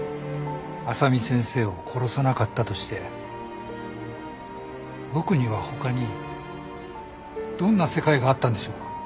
麻美先生を殺さなかったとして僕には他にどんな世界があったんでしょうか？